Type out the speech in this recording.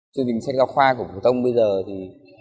chương trình sách giáo khoa của phổ thông bây giờ thì